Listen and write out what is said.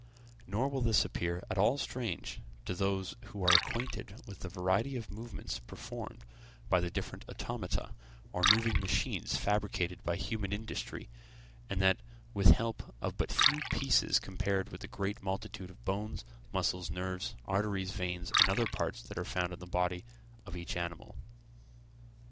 Nor will this appear at all strange to those who are acquainted with the variety of movements performed by the different automata, or moving machines fabricated by human industry, and that with help of but few pieces compared with the great multitude of bones, muscles, nerves, arteries, veins, and other parts that are found in the body of each animal.